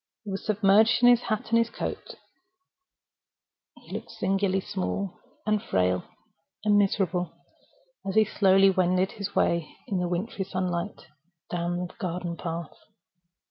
He was submerged in his hat and coat; he looked singularly small, and frail, and miserable, as he slowly wended his way, in the wintry sunlight, down the garden walk.